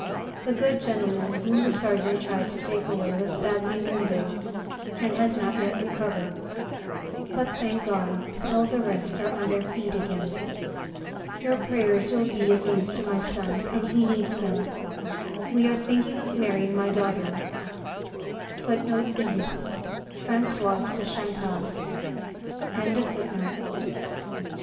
The good gentleman whom the sergeant tried to take away was badly wounded and has not yet recovered; but thank God all the rest are on their feet again. Your prayers will be of use to my son and he needs them. We are thinking of marrying my daughter[B] to M.